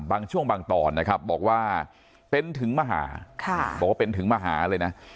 บางช่วงบางตอนนะครับบอกว่าเป็นถึงมหาบอกว่าเป็นถึงมหาเลยนะ